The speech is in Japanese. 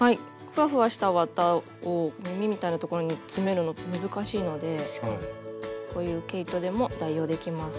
ふわふわした綿を耳みたいなところに詰めるの難しいのでこういう毛糸でも代用できます。